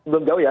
belum jauh ya